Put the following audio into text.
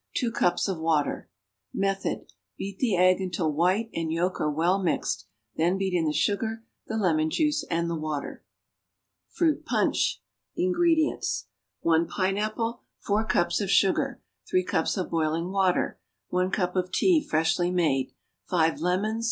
2 cups of water. Method. Beat the egg until white and yolk are well mixed; then beat in the sugar, the lemon juice and the water. =Fruit Punch.= INGREDIENTS. 1 pineapple. 4 cups of sugar. 3 cups of boiling water. 1 cup of tea, freshly made. 5 lemons.